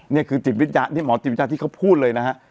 นี่คือจิตวิญญาณที่หมอจิตวิทยาที่เขาพูดเลยนะฮะ